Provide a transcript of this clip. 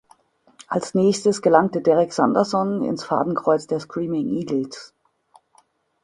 Als Nächstes gelangte Derek Sanderson ins Fadenkreuz der Screaming Eagles.